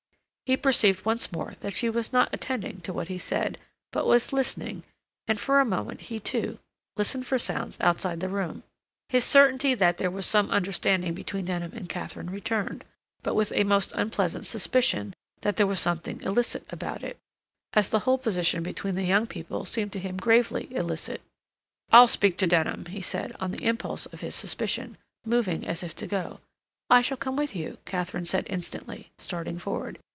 He perceived once more that she was not attending to what he said, but was listening, and for a moment he, too, listened for sounds outside the room. His certainty that there was some understanding between Denham and Katharine returned, but with a most unpleasant suspicion that there was something illicit about it, as the whole position between the young people seemed to him gravely illicit. "I'll speak to Denham," he said, on the impulse of his suspicion, moving as if to go. "I shall come with you," Katharine said instantly, starting forward.